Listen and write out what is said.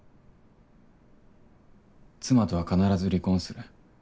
妻とは必ず離婚する。